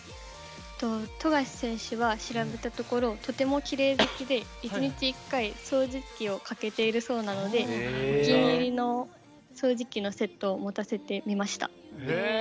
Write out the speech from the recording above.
富樫選手は調べたところとてもきれい好きで１日１回、掃除機をかけているそうなので掃除のセットを持たせてみました。